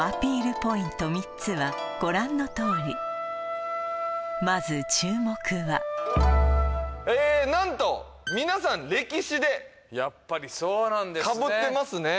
ポイント３つはご覧のとおりまず注目はなんと皆さん「歴史」でかぶってますね